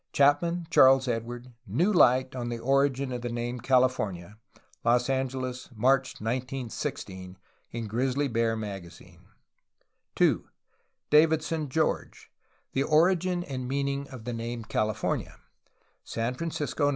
Chapman, Charles Edward. iVcio light on the origin of the name California (Los Angeles. Mar., 1916), in Grizzly bear maga zine, V. XVIII, no. 5, 5. 2. Davidson, George. The origin and the meaning of the nams California (San Francisco.